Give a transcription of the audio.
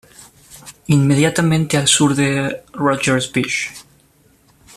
Inmediatamente al sur de Rodgers Beach.